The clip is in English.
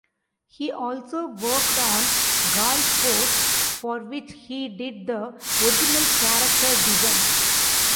He also worked on "Gall Force", for which he did the original character designs.